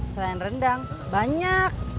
selain rendang banyak